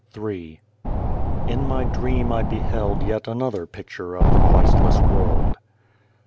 197 Ill IN my dream I beheld yet another picture of the Christless world.